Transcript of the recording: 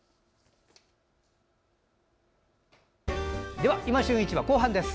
では「いま旬市場」後半です。